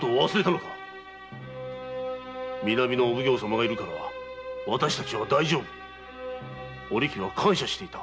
「南のお奉行様がいるから私たちは大丈夫」とお力は感謝していた。